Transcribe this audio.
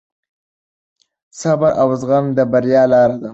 صبر او زغم د بریا لار ده.